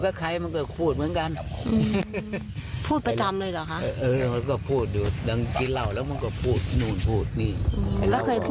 เราไม่เคยเห็นมีแต่มันพูดว่าจะเอาลูกสาวปากแสงเขาก็พูดว่า